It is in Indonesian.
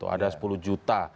ada sepuluh juta